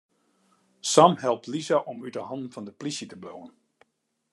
Sam helpt Lisa om út 'e hannen fan de plysje te bliuwen.